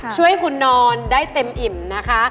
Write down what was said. ช่วยคุณนอนได้เต็มอิ่มนะคะ